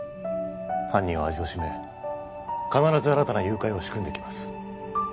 犯人は味をしめ必ず新たな誘拐を仕組んできます